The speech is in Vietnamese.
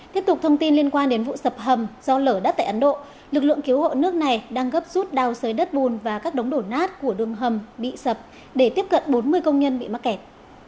tiếp tục thông tin liên quan đến vụ sập hầm do lở đất tại ấn độ lực lượng cứu hộ nước này đang gấp rút đào sới đất bùn và các đống đổ nát của đường hầm bị sập để tiếp cận bốn mươi công nhân bị mắc kẹt